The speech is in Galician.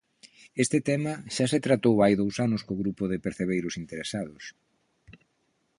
Este tema xa se tratou hai dous anos co grupo de percebeiros interesados.